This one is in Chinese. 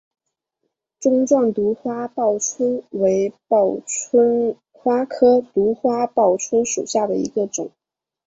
钟状独花报春为报春花科独花报春属下的一个种。